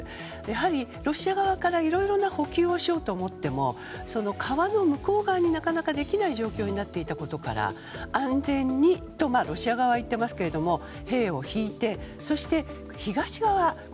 やはりロシア側から、いろいろな補給をしようと思っても川の向こう側になかなかできない状況になっていたことから安全にとロシア側は言っていますけど兵を引いて、そして東側。